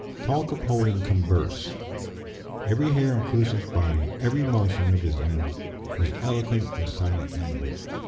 Talk of holding converse! Every hair on Crusoe's body, every motion of his limbs, was eloquent with silent language.